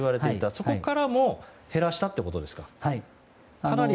そこからも減らしたってことですか？